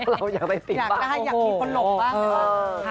เราอยากได้ติ๊บบ้าง